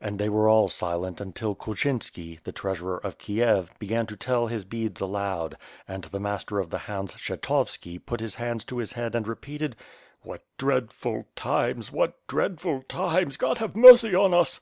And they were all silent until Kulchinski, the Treasurer of Kiev, began to tell his beads aloud, and the Master of the Hounds Kshetovski put his hands to his head and repeated: *TVTiat dreadful times! what dreadful times! God have mercy on us!"